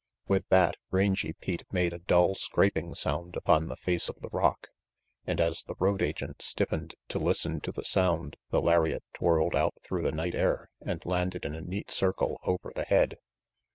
With that, Rangy Pete made a dull scraping sound upon the face of the rock, and as the road agent stiffened to listen to the sound the lariat twirled out through the night air and landed in a neat circle over the head.